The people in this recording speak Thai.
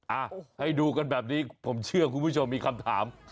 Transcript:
อ่ะให้ดูกันแบบนี้ผมเชื่อคุณผู้ชมมีคำถาม